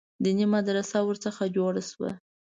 دیني مدرسه ورڅخه جوړه سوه.